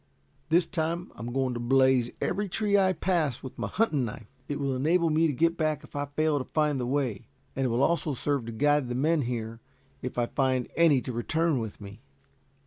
"This time I am going to blaze every tree I pass, with my hunting knife. It will enable me to get back if I fail to find the way, and it also will serve to guide the men here, if I find any to return with me."